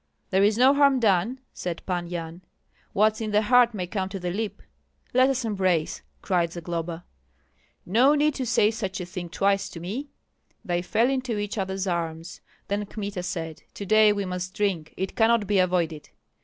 "There is no harm done," said Pan Yan; "what's in the heart may come to the lip." "Let us embrace!" cried Zagloba. "No need to say such a thing twice to me!" They fell into each other's arms. Then Kmita said, "To day we must drink, it cannot be avoided!"